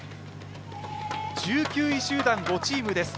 １９位集団、５チームです。